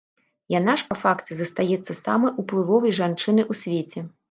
Яна ж, па факце, застаецца самай уплывовай жанчынай у свеце.